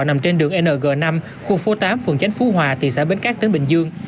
nằm trên đường ng năm khu phố tám phường chánh phú hòa thị xã bến cát tỉnh bình dương